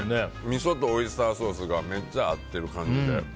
みそとオイスターソースがめっちゃ合ってる感じで。